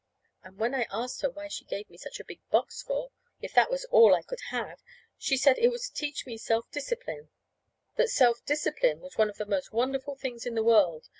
And when I asked her why she gave me such a big box for, then, if that was all I could have, she said it was to teach me self discipline. That self discipline was one of the most wonderful things in the world.